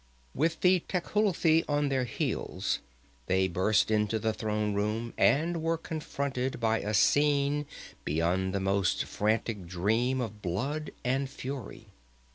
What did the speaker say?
With the Tecuhltli on their heels they burst into the throne room and were confronted by a scene beyond the most frantic dream of blood and fury.